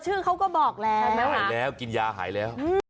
ชื่อเขาก็บอกแล้วหายแล้วกินยาหายแล้ว